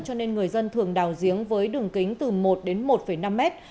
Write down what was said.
cho nên người dân thường đào giếng với đường kính từ một đến một năm mét